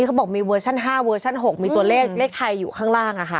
เขาบอกมีเวอร์ชั่น๕เวอร์ชัน๖มีตัวเลขเลขไทยอยู่ข้างล่างอะค่ะ